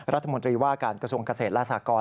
รัฐมนตรีว่าการกระทรวงเกษตรและสากร